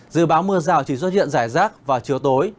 dự báo mưa rào chỉ xuất hiện rải rác vào chiều tối